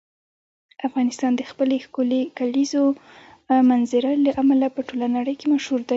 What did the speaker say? افغانستان د خپلې ښکلې کلیزو منظره له امله په ټوله نړۍ کې مشهور دی.